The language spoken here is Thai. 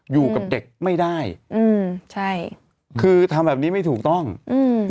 อยู่กับเด็กไม่ได้อืมใช่คือทำแบบนี้ไม่ถูกต้องอืม